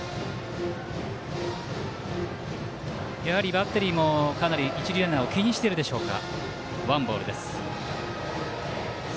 バッテリーもかなり一塁ランナーを気にしているでしょうか。